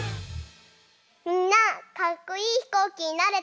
みんなかっこいいひこうきになれた？